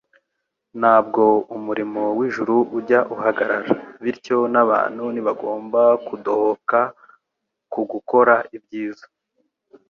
Ntabwo umurimo w’ijuru ujya uhagarara, bityo n’abantu ntibagomba kudohoka ku gukora ibyiza